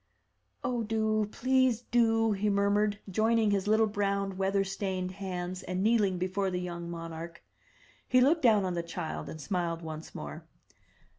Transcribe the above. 0h, do! please do!'* he murmured, joining his little brown weather stained hands, and kneeling before the young monarch. He looked down on the child and smiled once more.